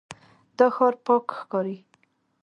دا ښار پاک ښکاري.